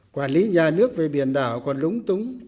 quản lý nhà nước về biển đảo còn lúng túng